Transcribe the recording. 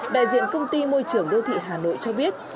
đại diện công ty môi trường đô thị hà nội cho biết